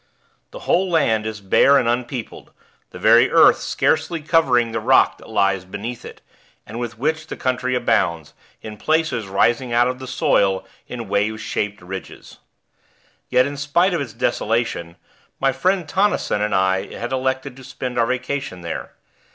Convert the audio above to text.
The whole land is bare and unpeopled, the very earth scarcely covering the rock that lies beneath it, and with which the country abounds, in places rising out of the soil in wave shaped ridges. Yet, in spite of its desolation, my friend Tonnison and I had elected to spend our vacation there.